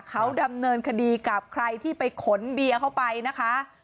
เขาดำเนินคดีกับใครที่ไปขนเบียร์เข้าไปนะคะ